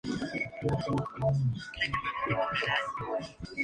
Me daban limones, pero hice limonada.